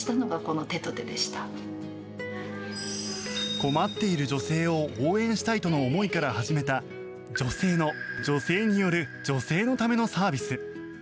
困っている女性を応援したいとの思いから始めた女性の女性による女性のためのサービス。